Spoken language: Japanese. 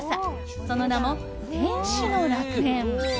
その名も、天使の楽園。